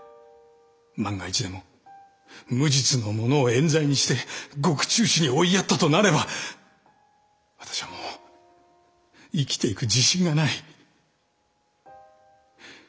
万が一でも無実の者をえん罪にして獄中死に追いやったとなれば私はもう生きていく自信がない。